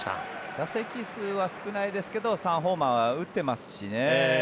打席数は少ないですけど３ホーマー打ってますしね